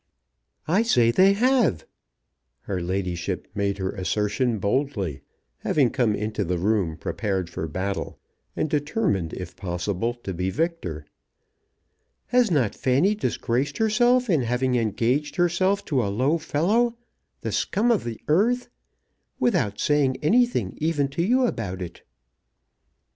"I say they have." Her ladyship made her assertion boldly, having come into the room prepared for battle, and determined if possible to be victor. "Has not Fanny disgraced herself in having engaged herself to a low fellow, the scum of the earth, without saying anything even to you about it?"